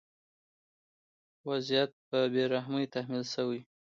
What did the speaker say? وضعیت په بې رحمۍ تحمیل شوی.